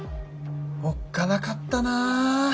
おっかなかったな